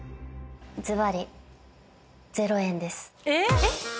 えっ？